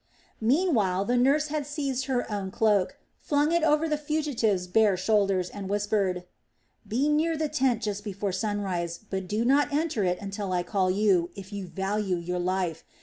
Meanwhile the nurse had seized her own cloak, flung it over the fugitive's bare shoulders, and whispered: "Be near the tent just before sunrise, but do not enter it until I call you, if you value your life.